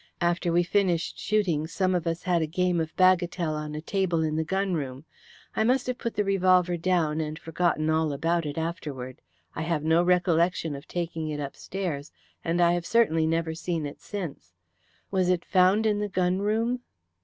After we finished shooting some of us had a game of bagatelle on a table in the gun room. I must have put the revolver down and forgotten all about it afterward. I have no recollection of taking it upstairs, and I have certainly never seen it since. Was it found in the gun room?"